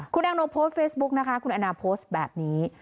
คุณแอนโนโพสต์เฟซบุ๊กนะคะคุณแอนนาโพสต์แบบนี้